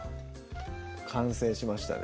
完成しましたね